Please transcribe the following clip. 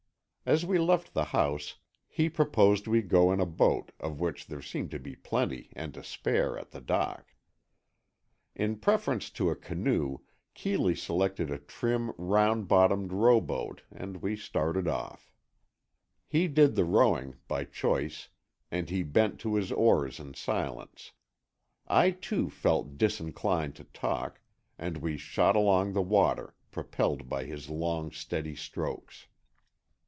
As we left the house, he proposed we go in a boat, of which there seemed to be plenty and to spare at the dock. In preference to a canoe, Keeley selected a trim round bottomed rowboat, and we started off. He did the rowing, by choice, and he bent to his oars in silence. I too felt disinclined to talk, and we shot along the water, propelled by his long steady strokes.